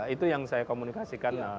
itu yang saya komunikasikan